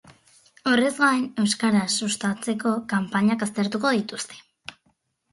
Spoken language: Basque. Horrez gain, euskara sustayzeko kanpainak aztertuko dituzte.